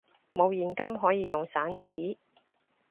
冇現金可以用散紙！